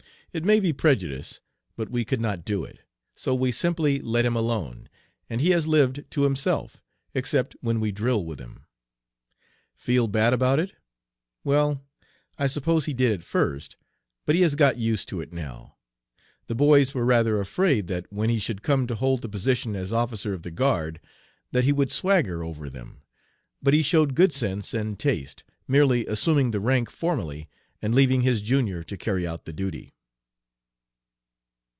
It may be prejudice, but we could not do it; so we simply let him alone, and he has lived to himself, except when we drill with him. Feel bad about it? Well, I suppose he did at first, but he has got used to it now. The boys were rather afraid that when he should come to hold the position as officer of the guard that he would swagger over them, but he showed good sense and taste, merely assuming the rank formally and leaving his junior to carry out the duty.'"